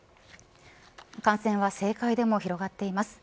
感染は政界でも広がっています。